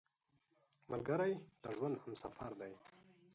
ملګری د ژوند همسفر دی